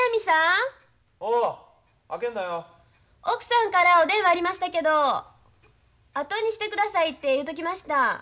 奥さんからお電話ありましたけどあとにしてくださいて言うときました。